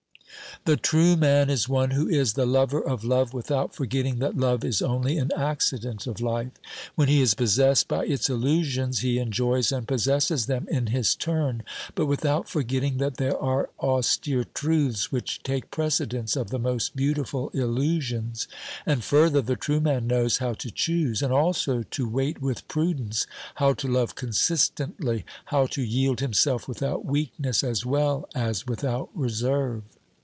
OBERMANN 261 The true man is one who is the lover of love without forgetting that love is only an accident of life ; when he is possessed by its illusions he enjoys and possesses them in his turn, but without forgetting that there are austere truths which take precedence of the most beautiful illusions. And further, the true man knows how to choose and also to wait with prudence, how to love consistently, how to yield himself without weakness as well as without reserve.